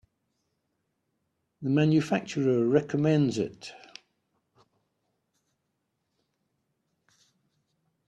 The manufacturer recommends it.